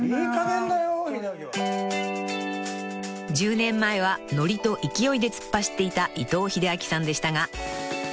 ［１０年前はノリと勢いで突っ走っていた伊藤英明さんでしたが］